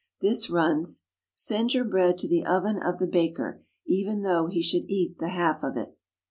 This runs: "Send your bread to the oven of the baker even though he should eat the half of it."